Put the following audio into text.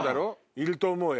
いると思うよ